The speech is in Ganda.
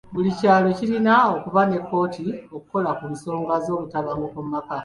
Buli kyalo kirina okuba ne kkooti okukola ku nsonga z'obutabanguko mu maka.